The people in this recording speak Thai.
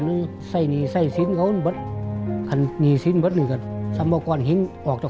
รายการเกมต่อชีวิตขอต้อนรับครอบครัวพ่อชา